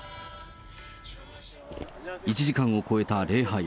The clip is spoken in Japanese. １時間を超えた礼拝。